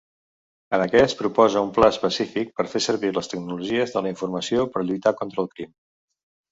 En aquest proposa un pla específic per fer servir les tecnologies de la informació per lluitar contra el crim.